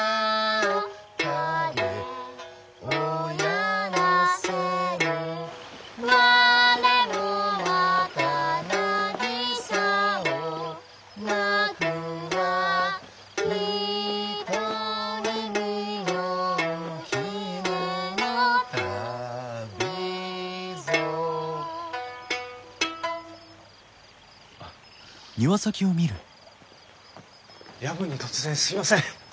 夜分に突然すいません。